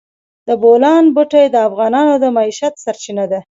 د بولان پټي د افغانانو د معیشت سرچینه ده.